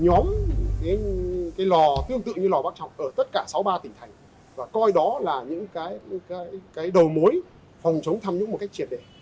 nhóm cái lò tương tự như lò bác trọng ở tất cả sáu ba tỉnh thành và coi đó là những cái đầu mối khẩn trương tham nhũng một cách triệt để